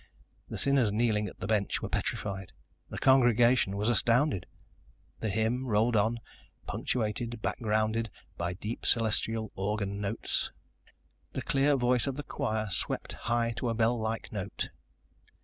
The sinners kneeling at the bench were petrified. The congregation was astounded. The hymn rolled on, punctuated, backgrounded by deep celestial organ notes. The clear voice of the choir swept high to a bell like note.